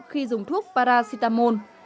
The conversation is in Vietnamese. khi dùng thuốc paracetamol